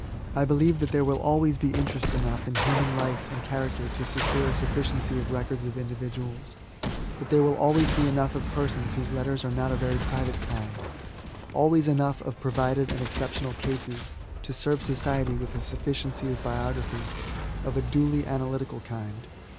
I believe that there will always be interest enough in human life and character to secure a sufficiency of records of individuals :— that there will always be enough of persons whose letters are not of a very private kind, — always enough of provided and exceptional cases to serve society with a sufficiency of biography, of a duly analytical land.